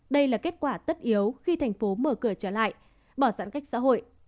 đây là kết quả tất yếu khi thành phố mở cửa trở lại bỏ giãn cách xã hội